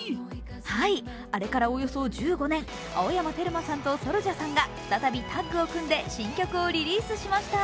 はい、あれからおよそ１５年、青山テルマさんとＳｏｕｌＪａさんが再びタッグを組んで新曲をリリースしました。